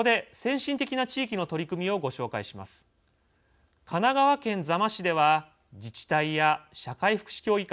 神奈川県座間市では自治体や社会福祉協議会